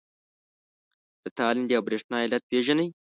د تالندې او برېښنا علت پیژنئ؟